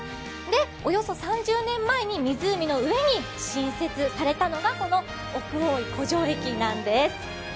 およそ３０年前に湖の上に新設されたのがこの奥大井湖上駅なんです。